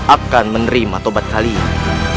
akan menerima tobat kalian